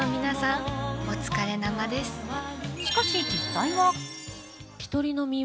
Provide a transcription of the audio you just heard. しかし、実際は